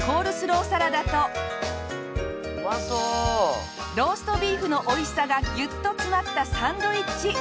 ローストビーフのおいしさがギュッと詰まったサンドイッチ。